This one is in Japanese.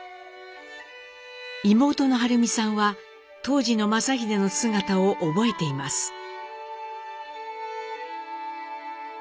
妹の晴美さんは当時の正英の姿を覚えています。